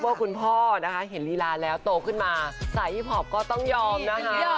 คุณพ่อนะคะเห็นลีลาแล้วโตขึ้นมาสายฮิปพอปก็ต้องยอมนะคะ